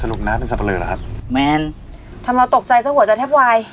สรุปน่ะเป็นสับเผลอหรือครับมันทำเราตกใจสะหัวจะแทบวาย